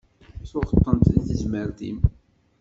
Tuɣeḍ-tent deg tezmert-im.